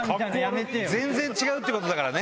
全然違うってことだから。